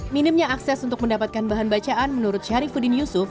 minimnya akses untuk mendapatkan bahan bacaan menurut syarifudin yusuf